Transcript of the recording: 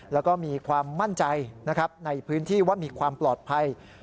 แล้วก็มีความมั่นใจในพื้นที่ว่ามีความปลอดภัย